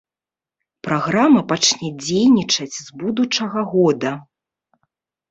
Праграма пачне дзейнічаць з будучага года.